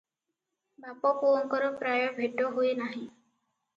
ବାପ ପୁଅଙ୍କର ପ୍ରାୟ ଭେଟ ହୁଏ ନାହିଁ ।